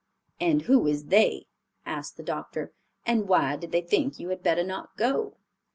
"And who is they?" asked the doctor; "and why did they think you had better not go?"